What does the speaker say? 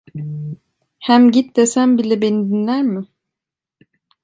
Hem git desem bile beni dinler mi?